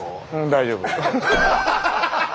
大丈夫。